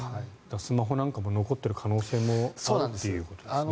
スマホなんかも残っている可能性もあるということですね。